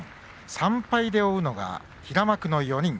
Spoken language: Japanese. ３敗で追うのが平幕の４人。